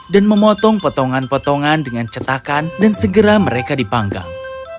dan memotong potongan potongan dengan cetakan dan segera mereka dipanggang